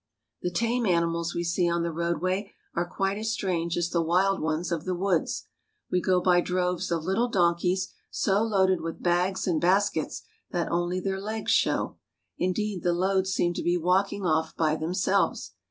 The tame animals we see on the roadway are quite as strange as the wild ones of the woods. We go by droves of little donkeys so loaded with bags and baskets that only their legs show. Indeed, the loads seem to be walking off by themselves.